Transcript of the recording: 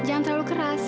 jangan terlalu keras